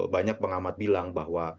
banyak pengamat bilang bahwa